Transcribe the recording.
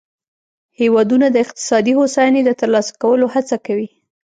هیوادونه د اقتصادي هوساینې د ترلاسه کولو هڅه کوي